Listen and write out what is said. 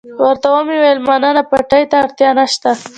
ورته ومې ویل مننه، پېټي ته اړتیا نشته.